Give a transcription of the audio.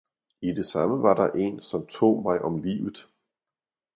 I det samme var der en, som tog mig om livet -!